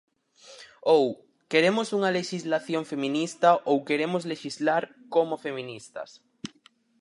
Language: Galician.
Ou: Queremos unha lexislación feminista ou queremos lexislar como feministas.